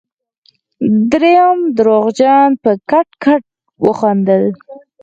دريم درواغجن په کټ کټ وخندل.